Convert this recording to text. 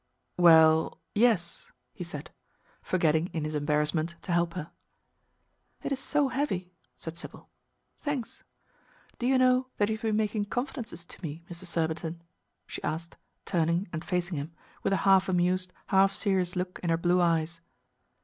"Well yes," he said, forgetting in his embarrassment to help her. "It is so heavy," said Sybil. "Thanks. Do you know that you have been making confidences to me, Mr. Surbiton?" she asked, turning and facing him, with a half amused, half serious look in her blue eyes.